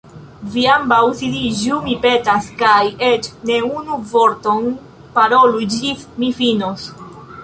Vi ambaŭ sidiĝu, mi petas. Kaj eĉ ne unu vorton parolu, ĝis mi finos."